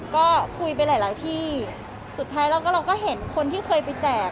ก็คุยไปหลายที่สุดท้ายเราก็เห็นคนที่เคยไปแจก